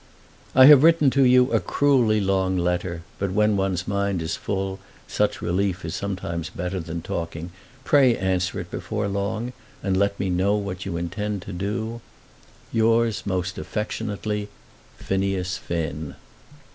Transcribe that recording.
I have written to you a cruelly long letter; but when one's mind is full such relief is sometimes better than talking. Pray answer it before long, and let me know what you intend to do. Yours most affectionately, PHINEAS FINN.